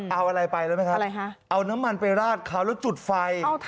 เอาอะไรไปรู้ไหมครับเอาน้ำมันไปราดเขาแล้วจุดไฟ